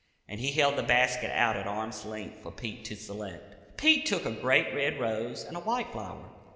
and he held the basket out at arm's length for Pete to select. Pete took a great red rose, and a white flower.